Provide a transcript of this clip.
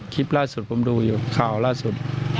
คลิปล่าสุดผมดูอยู่ข่าวล่าสุด